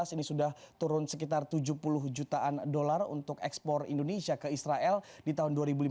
ini sudah turun sekitar tujuh puluh jutaan dolar untuk ekspor indonesia ke israel di tahun dua ribu lima belas